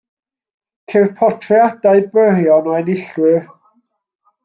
Ceir portreadau byrion o enillwyr.